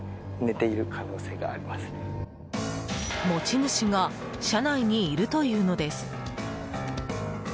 持ち主が車内にいるというのです。